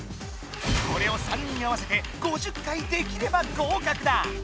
これを３人合わせて５０回できれば合格だ！